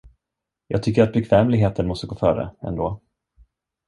Jag tycker att bekvämligheten måste gå före, ändå.